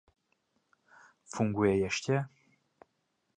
Funguje ještě?